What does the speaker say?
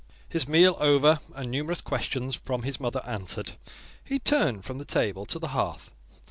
His meal over, and numerous questions from his mother answered, he turned from the table to the hearth.